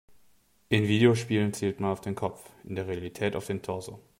In Videospielen zielt man auf den Kopf, in der Realität auf den Torso.